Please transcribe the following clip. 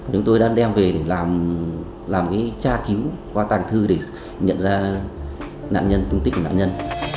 chúng tôi đã đem về để làm cái tra cứu qua tàng thư để nhận ra nạn nhân tung tích của nạn nhân